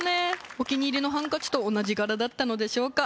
お気に入りのハンカチと同じ柄だったのでしょうか